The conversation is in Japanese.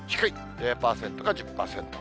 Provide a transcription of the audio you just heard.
０％か１０％。